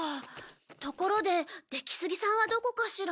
ところで出木杉さんはどこかしら？